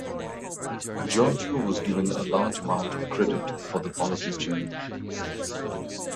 Georgiou was given a large amount of credit for the policy change.